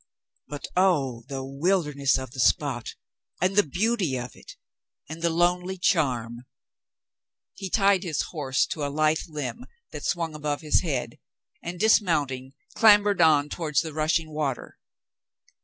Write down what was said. But oh, the wildness of the spot and the beauty of it and the lonely charm ! He tied his horse to a lithe limb that swung above his head and, dismounting, clambered on towards the rushing water.